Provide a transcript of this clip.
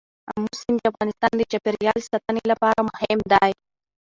آمو سیند د افغانستان د چاپیریال ساتنې لپاره مهم دی.